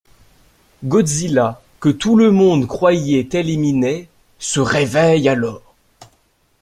Godzilla, que tout le monde croyait éliminé, se réveille alors.